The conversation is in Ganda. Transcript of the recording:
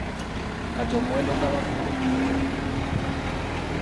Kati omuwendo gw’abafudde guweze amakumi abiri.